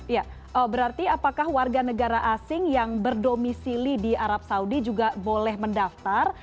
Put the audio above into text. ya berarti apakah warga negara asing yang berdomisili di arab saudi juga boleh mendaftar